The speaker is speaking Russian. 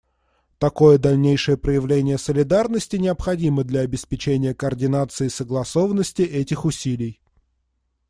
Такое дальнейшее проявление солидарности необходимо для обеспечения координации и согласованности этих усилий.